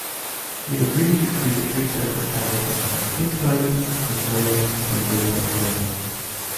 He agreed to create three separate capitals, at Cape Town, Pretoria, and Bloemfontein.